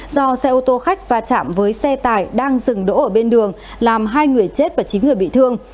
do xe ô tô khách va chạm với xe tải đang dừng đỗ ở bên đường làm hai người chết và chín người bị thương